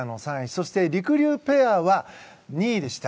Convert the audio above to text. そしてりくりゅうペアは２位でした。